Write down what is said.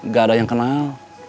gak ada yang kenal